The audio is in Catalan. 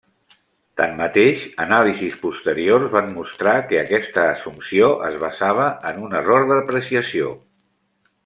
Tanmateix, anàlisis posteriors van mostrar que aquesta assumpció es basava en un error d'apreciació.